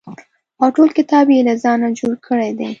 او ټول کتاب یې له ځانه جوړ کړی دی.